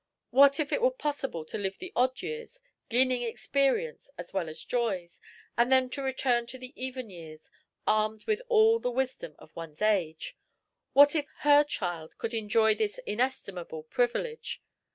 What if it were possible to live the odd years, gleaning experience as well as joys, and then to return to the even years, armed with all the wisdom of one's age! What if her child could enjoy this inestimable privilege!